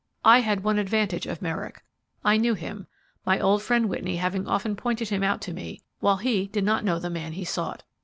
I had one advantage of Merrick. I knew him my old friend Whitney having often pointed him out to me while he did not know the man he sought.